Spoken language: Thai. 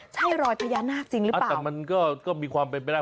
ใช่รอยพญานาคจริงหรือเปล่าแต่มันก็มีความเป็นไปได้